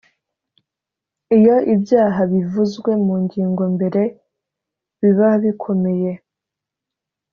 iyo ibyaha bivuzwe mu ngingo mbere bibabikomeye